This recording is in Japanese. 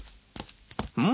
うん？